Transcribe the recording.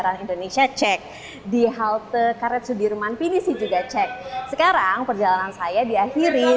restoran indonesia cek di halte karet sudirman pinisi juga cek sekarang perjalanan saya diakhiri